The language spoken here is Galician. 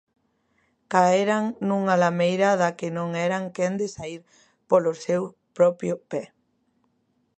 Caeran nunha lameira da que non eran quen de saír polos seu propio pé.